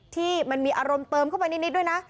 ที่มันมีอารมณ์เติมเข้าไปนิดด้วยนะ